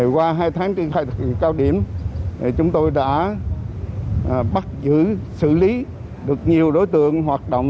qua hai tháng triển khai thực hiện cao điểm chúng tôi đã bắt giữ xử lý được nhiều đối tượng hoạt động